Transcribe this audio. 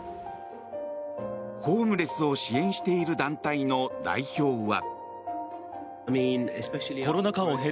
ホームレスを支援している団体の代表は。